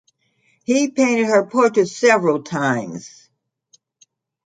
He painted her portrait several times.